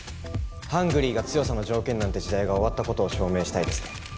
ハングリーが強さの条件なんて時代が終わった事を証明したいですね。